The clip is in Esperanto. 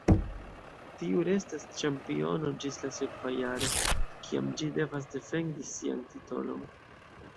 Tiu restas ĉampiono ĝis la sekva jaro, kiam ĝi devas defendi sian titolon.